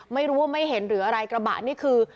ไม่รู้ว่าไม่เห็นหรืออะไรกระบะนี่คือ